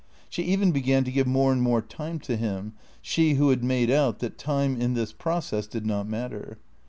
She even began to give more and more time to him, she who had made out that time in this process did not matter.